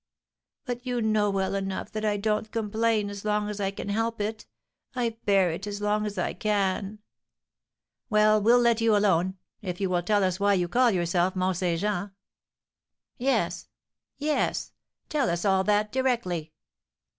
"But you know well enough that I don't complain as long as I can help it; I bear it as long as I can." "Well, we'll let you alone, if you will tell us why you call yourself Mont Saint Jean." "Yes, yes; come, tell us all that directly."